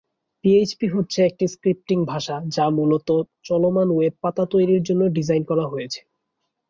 PHP হচ্ছে একটি scripting ভাষা যা মূলতঃ চলমান ওয়েব পাতা তৈরির জন্য ডিজাইন করা হয়েছে।